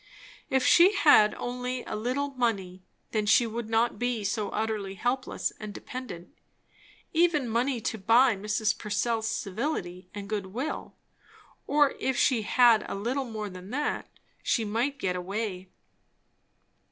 If she had only a little money, then she would not be so utterly helpless and dependent; even money to buy Mrs. Purcell's civility and good will; or if she had a little more than that, she might get away.